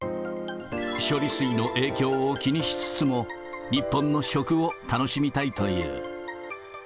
処理水の影響を気にしつつも、日本の食を楽しみたいという。